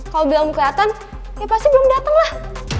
kalau bilang keliatan ya pasti belum dateng lah